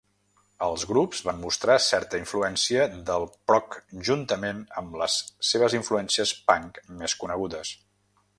Els grups van mostrar certa influència del prog juntament amb les seves influències punk més conegudes.